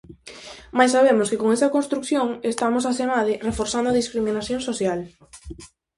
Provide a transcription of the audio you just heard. Mais sabemos que con esa construción estamos asemade reforzando a discriminación social.